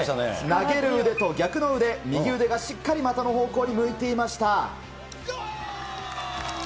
投げる腕と逆の腕、右腕がしっかり的の方向に向いていました。